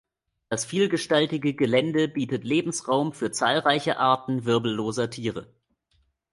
Das vielgestaltige Gelände bietet Lebensraum für zahlreiche Arten wirbelloser Tiere.